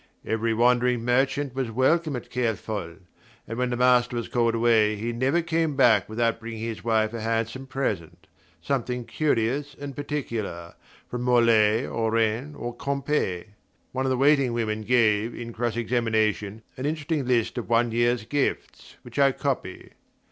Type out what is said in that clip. Every wandering merchant was welcome at Kerfol, and when the master was called away he never came back without bringing his wife a handsome present something curious and particular from Morlaix or Rennes or Quimper. One of the waiting women gave, in cross examination, an interesting list of one year's gifts, which I copy.